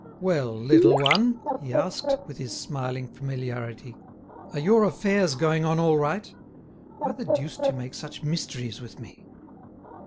"Well! little one," he asked, with his smiling familiarity, "are your affairs going on all right? Why the deuce do you make such mysteries with me?"